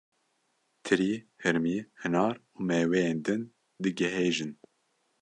Tirî, hirmî, hinar û mêweyên din digihêjin.